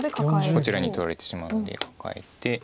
こちらに取られてしまうのでカカえて。